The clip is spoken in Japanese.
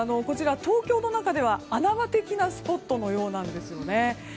こちら、東京の中では穴場的なスポットのようなんですよね。